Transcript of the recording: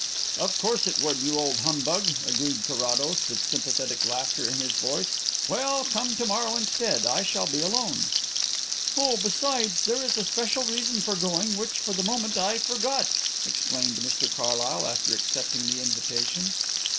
"Of course it would, you old humbug," agreed Carrados, with sympathetic laughter in his voice. "Well, come to morrow instead. I shall be alone." "Oh, besides, there is a special reason for going, which for the moment I forgot," explained Mr Carlyle, after accepting the invitation.